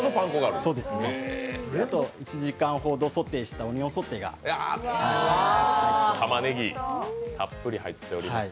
あと１時間ほどソテーしたオニオンソテーが入っております。